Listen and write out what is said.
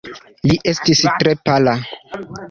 Li estis tre pala.